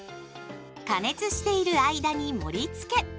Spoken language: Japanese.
加熱している間に盛りつけ。